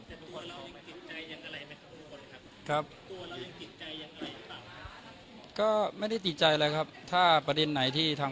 เพราะเกิดว่ามันมีอะไรที่เรายังไม่เข้าใจกัน